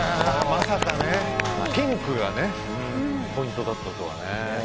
まさかねピンクがポイントだったとはね。